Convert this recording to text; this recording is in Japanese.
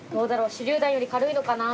手りゅう弾より軽いのかな。